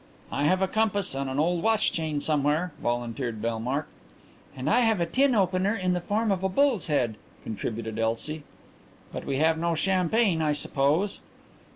"I have a compass on an old watch chain somewhere," volunteered Bellmark. "And I have a tin opener in the form of a bull's head," contributed Elsie. "But we have no champagne, I suppose?"